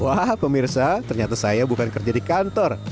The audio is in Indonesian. wah pemirsa ternyata saya bukan kerja di kantor